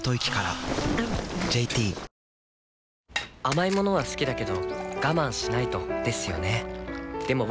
甘い物は好きだけど我慢しないとですよね